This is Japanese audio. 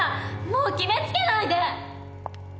もう決めつけないで！